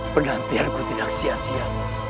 penantianku tidak sia sia